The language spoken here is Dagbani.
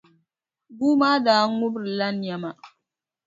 Bua maa daa ŋubirila nɛma.